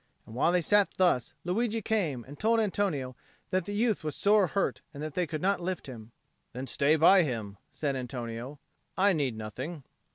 And while they sat thus, Luigi came and told Antonio that the youth was sore hurt and that they could not lift him. "Then stay by him," said Antonio. "I need nothing."